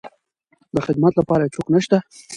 د خدمت لپاره يې څوک نشته.